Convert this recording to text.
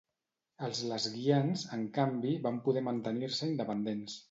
Els lesguians, en canvi, van poder mantenir-se independents.